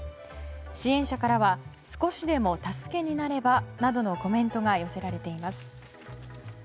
支援者からは少しでも助けになればなどのコメントが寄せられています。